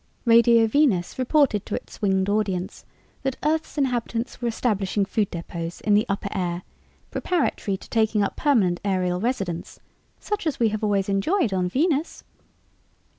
Radio Venus reported to its winged audience that Earth's inhabitants were establishing food depots in the upper air, preparatory to taking up permanent aerial residence "such as we have always enjoyed on Venus."